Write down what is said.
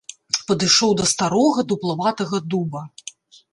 Падышоў да старога дуплаватага дуба.